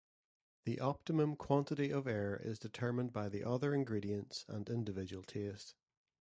The optimum quantity of air is determined by the other ingredients and individual taste.